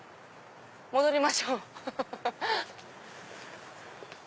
戻りましょう。